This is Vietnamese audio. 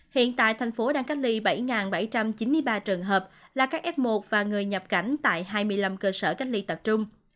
hiện tại thành phố đang cách ly bảy bảy trăm chín mươi ba trường hợp là các f một và người nhập cảnh tại hai mươi năm cơ sở cách ly tập trung